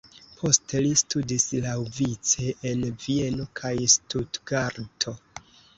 Poste li studis laŭvice en Vieno kaj Stutgarto.